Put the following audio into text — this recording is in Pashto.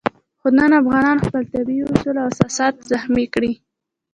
خو نن افغانانو خپل طبیعي اصول او اساسات زخمي کړي.